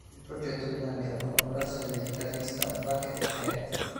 Il progetto vede anche la collaborazione del chitarrista Buckethead.